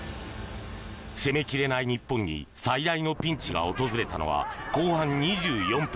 攻め切れない日本に最大のピンチが訪れたのは後半２４分。